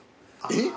えっ？